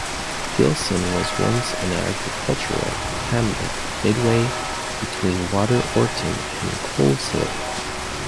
Gilson was once an agricultural hamlet midway between Water Orton and Coleshill.